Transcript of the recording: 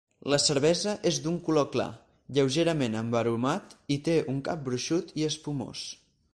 La cervesa és d'un color clar, lleugerament embarumat i té un cap gruixut i espumós.